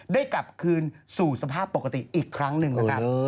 ได้กลับคืนสู่สภาพปกติอีกครั้งหนึ่งนะครับ